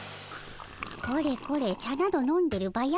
これこれ茶など飲んでるバヤ